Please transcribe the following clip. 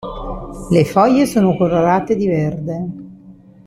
Le foglie sono colorate di verde.